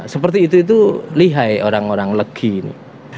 seperti itu itu lihai orang orang legi ini